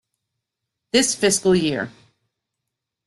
This fiscal year.